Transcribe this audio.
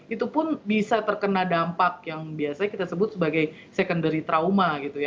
itu pun bisa terkena dampak yang biasanya kita sebut sebagai secondary trauma gitu ya